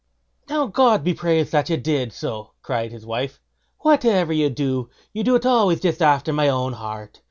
"Now, God be praised that you did so!" cried his wife; "whatever you do, you do it always just after my own heart.